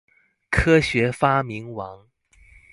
科學發明王